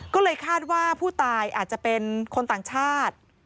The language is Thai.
ก็เลยคาดว่าผู้ตายอาจจะเป็นคนต่างชาติ